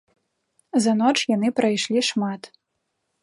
За ноч яны прайшлі шмат.